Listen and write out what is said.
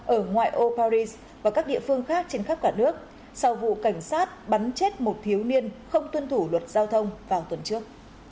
ở ngoại ô paris và các địa phương khác trên khắp cả nước sau vụ cảnh sát bắn chết một thiếu niên không tuân thủ luật giao thông vào tuần trước